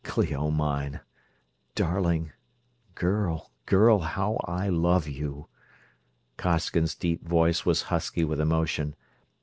"Clio mine ... darling ... girl, girl, how I love you!" Costigan's deep voice was husky with emotion.